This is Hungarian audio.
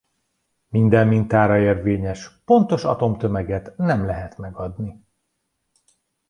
Minden mintára érvényes pontos atomtömeget nem lehet megadni.